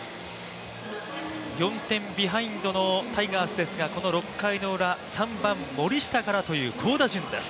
４点ビハインドのタイガースですが３番・森下からという好打順です。